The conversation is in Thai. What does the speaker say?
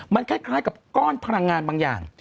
มันคล้ายกับก้อนพลังงานบางอย่าง